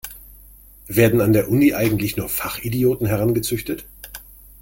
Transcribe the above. Werden an der Uni eigentlich nur Fachidioten herangezüchtet?